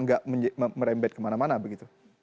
nggak merembet kemana mana begitu